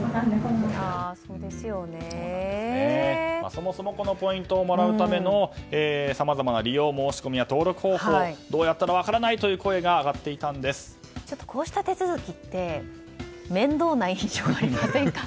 そもそもこのポイントをもらうためのさまざまな利用申し込みや登録方法どうやったらいいのか分からないという声がこうした手続きって面倒な印象がありませんか？